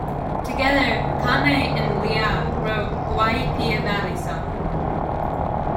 Together, Kamae and Li'a wrote "Hawaii Pia Valley Song".